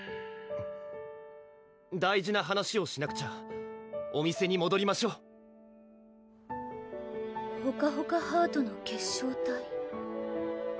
大事な話をしなくちゃお店にもどりましょうほかほかハートの結晶体